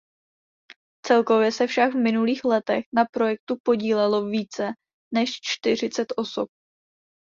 Celkově se však v minulých letech na projektu podílelo více než čtyřicet osob.